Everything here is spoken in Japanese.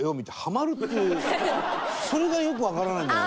それがよくわからないんだけど。